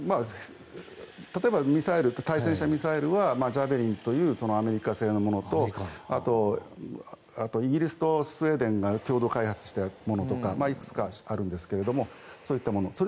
例えば対戦車ミサイルはジャベリンというアメリカ製のものとあと、イギリスとスウェーデンが共同開発したものとかいくつかあるんですけどもそういったもの。